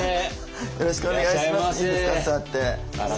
よろしくお願いします。